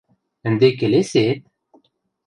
– Ӹнде келесе-эт?